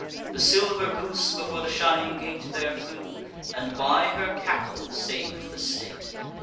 The silver goose before the shining gate There flew, and, by her cackle, sav'd the state.